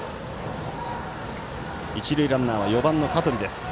一塁ランナーは４番の香取です。